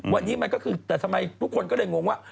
วันนี้มันก็คือแต่ทำไมทุกคนก็เลยงงว่า